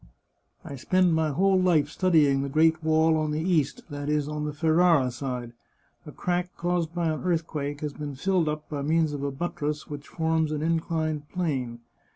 I spend my whole life studying the great wall on the east — that is, on the Ferrara side; a crack caused by an earthquake has been filled up by means of a buttress which forms an inclined plane.